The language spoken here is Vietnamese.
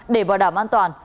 để bảo đảm an toàn